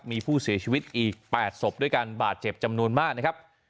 มีผู้เสียชีวิตอีก๘ศพด้วยการบาดเจ็บจำนวนมากนะครับ